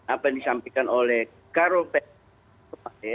apa yang disampaikan oleh karo pks